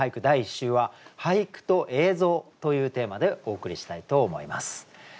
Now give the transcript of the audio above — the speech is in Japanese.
第１週は「俳句と映像」というテーマでお送りしたいと思います。